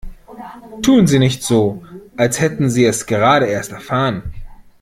Tun Sie nicht so, als hätten Sie es gerade erst erfahren!